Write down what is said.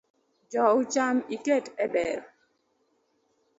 Jou cham iket e dero.